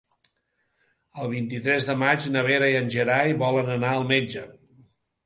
El vint-i-tres de maig na Vera i en Gerai volen anar al metge.